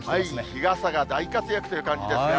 日傘が大活躍といった感じですが。